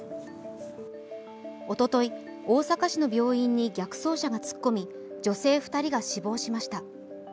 おととい、大阪市の病院に逆走車が突っ込み、女性２人が死亡しました。